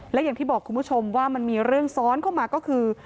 และอย่างที่บอกคุณผู้ชมว่ามันมีเรื่องซ้อนเข้ามาก็คือ